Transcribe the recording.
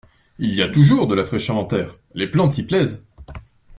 Il y a toujours de la fraîcheur en terre, les plantes s’y plaisent.